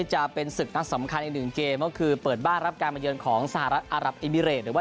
จะเป็นศึกนักสำคัญอีก๑เกม